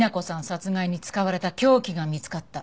殺害に使われた凶器が見つかった。